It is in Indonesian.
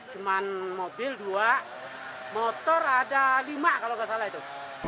cuma mobil dua motor ada lima kalau nggak salah itu